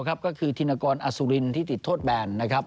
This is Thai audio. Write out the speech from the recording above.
ก็คือทินากรอสุรินที่ติดทดแบน